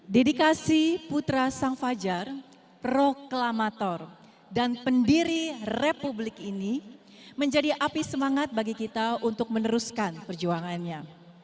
dedikasi putra sang fajar proklamator dan pendiri republik ini menjadi api semangat bagi kita untuk meneruskan perjuangannya